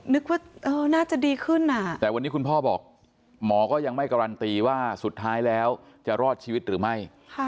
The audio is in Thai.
นึกว่าน่าจะดีขึ้นแต่วันนี้คุณพ่อบอกหมอก็ยังไม่การันตีว่าสุดท้ายแล้วจะรอดชีวิตหรือไม่